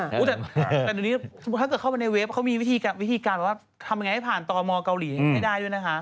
แต่เดี๋ยวนี้ถ้าเกิดเข้าไปในเว็บเขามีวิธีการแบบว่าทำยังไงให้ผ่านตมเกาหลีให้ได้ด้วยนะคะ